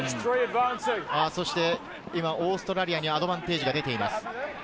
今オーストラリアにアドバンテージが出ています。